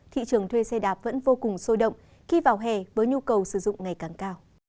thị trường thuê xe đạp vẫn vô cùng sôi động khi vào hè với nhu cầu sử dụng ngày càng cao